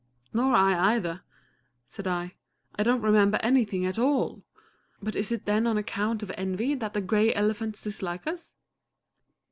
"Nor I either," said I. "I don't remember anything at all! But is it then on account of envy that the gray elephants dislike us?"